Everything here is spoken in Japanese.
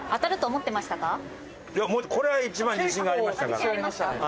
これは一番自信がありましたから。